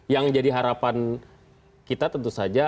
yang jadi harapan kita tentu saja